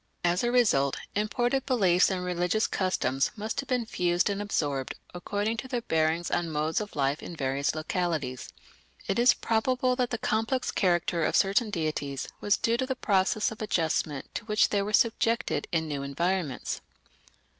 As a result, imported beliefs and religious customs must have been fused and absorbed according to their bearing on modes of life in various localities. It is probable that the complex character of certain deities was due to the process of adjustment to which they were subjected in new environments.